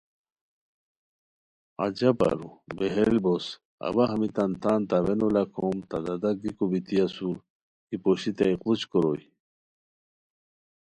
عجب ارو بہیل بوس اوا ہمیتان تان تاوینو لاکھوم تہ دادا گیکو بیتی اسور کی پوشتائے قڑچ کوروئے